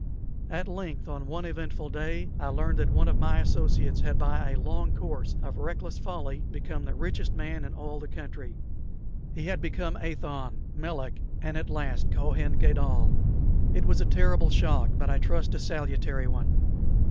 "At length, on one eventful day, I learned that one of my associates had by a long course of reckless folly become the richest man in all the country. He had become Athon, Melek, and at last Kohen Gadol. It was a terrible shock, but I trust a salutary one.